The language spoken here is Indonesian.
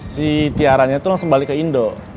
si tiara nya langsung balik ke indo